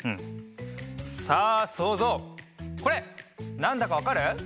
さあそうぞうこれなんだかわかる？